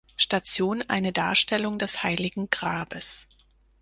Station eine Darstellung des Heiligen Grabes.